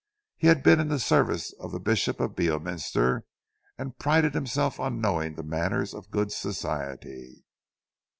He had been in the service of the Bishop of Beorminster and prided himself on knowing the manners of good society.